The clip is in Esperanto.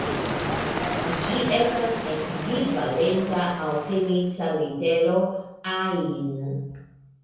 Ĝi estas ekvivalenta al fenica litero "ain".